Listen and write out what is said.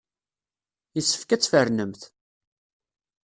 Yessefk ad tfernemt.